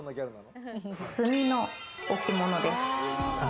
炭の置物です。